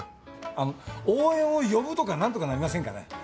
あの応援を呼ぶとか何とかなりませんかね？